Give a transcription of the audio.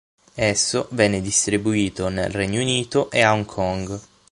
Esso venne distribuito nel Regno Unito e a Hong Kong.